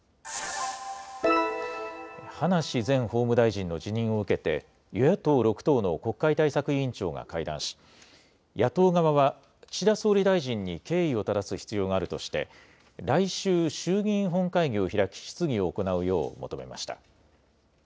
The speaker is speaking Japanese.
葉梨前法務大臣の辞任を受けて、与野党６党の国会対策委員長が会談し、野党側は岸田総理大臣に経緯をただす必要があるとして、来週、衆議院本会議を開き質疑を行うよう求めました。